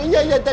ya ya tidak